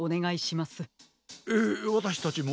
えっわたしたちも？